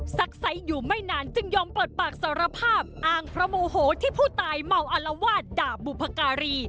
ซักไซส์อยู่ไม่นานจึงยอมเปิดปากสารภาพอ้างเพราะโมโหที่ผู้ตายเมาอารวาสด่าบุพการี